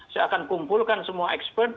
saya akan kumpulkan semua expert